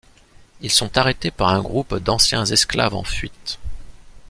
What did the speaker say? Ils sont arrêtés par un groupe d'anciens esclaves en fuites.